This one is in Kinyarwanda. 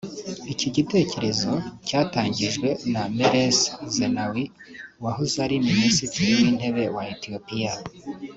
Iki gitekerezo cyatangijwe na Meles Zenawi wahoze ari Minisitiri w’Intebe wa Ethiopia